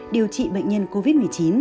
điều trị bệnh nhân covid một mươi chín